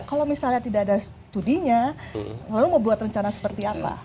kalau misalnya tidak ada studinya lalu mau buat rencana seperti apa